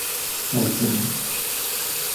اشورن